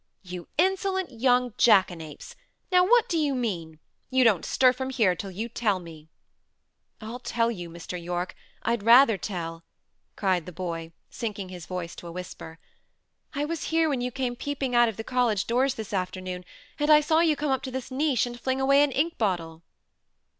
"You insolent young jackanapes! Now! what do you mean? You don't stir from here till you tell me." "I'll tell you, Mr. Yorke; I'd rather tell," cried the boy, sinking his voice to a whisper. "I was here when you came peeping out of the college doors this afternoon, and I saw you come up to this niche, and fling away an ink bottle."